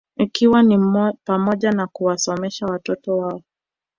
Ikiwa ni pamoja na kuwasomesha watoto wao